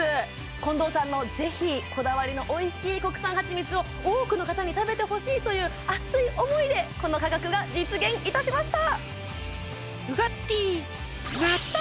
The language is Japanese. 近藤さんの是非こだわりのおいしい国産はちみつを多くの方に食べてほしいという熱い思いでこの価格が実現いたしました